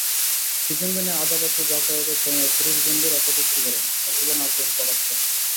Prison ভ্যানে আদালতে যাতায়াতের সময় পুরুষ বন্দীরা কটূক্তি করেন, অশোভন আগ্রহ প্রকাশ করেন।